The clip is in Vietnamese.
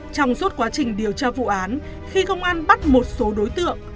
trong suốt quá trình điều tra vụ án khi công an bắt một số đối tượng